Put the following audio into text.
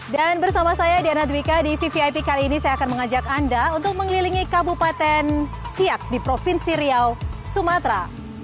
dan bersama saya diana dwiqa di vvip kali ini saya akan mengajak anda untuk mengelilingi kabupaten siak di provinsi riau sumatera